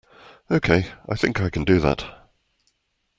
Okay, I think I can do that.